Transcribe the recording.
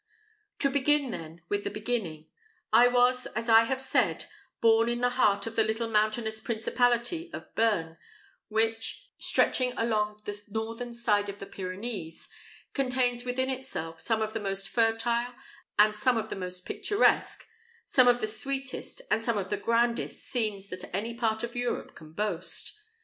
To begin, then, with the beginning: I was, as I have said, born in the heart of the little mountainous principality of Bearn, which, stretching along the northern side of the Pyrenees, contains within itself some of the most fertile and some of the most picturesque, some of the sweetest and some of the grandest scenes that any part of Europe can boast.